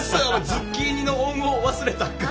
ズッキーニの恩を忘れたか。